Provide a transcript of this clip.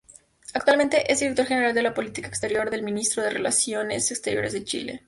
Actualmente es Director General de Política Exterior del Ministerio de Relaciones Exteriores de Chile.